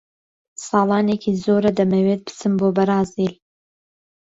ساڵانێکی زۆرە دەمەوێت بچم بۆ بەرازیل.